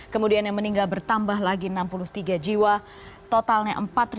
kemudian yang meninggal bertambah lagi enam puluh tiga jiwa totalnya empat ratus